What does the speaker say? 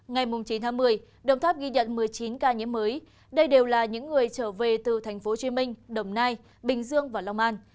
ngày chín một mươi đồng tháp ghi nhận một mươi chín ca nhiễm mới đây đều là những người trở về từ tp hcm đồng nai bình dương và long an